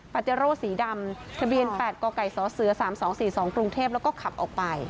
เจโร่สีดำทะเบียน๘กกสเส๓๒๔๒กรุงเทพแล้วก็ขับออกไป